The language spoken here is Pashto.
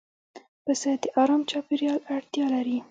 پسه د آرام چاپېریال اړتیا لري.